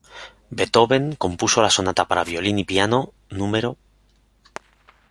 Beethoven compuso la Sonata para violín y piano No.